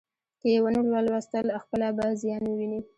که یې ونه ولوستل، خپله به زیان وویني.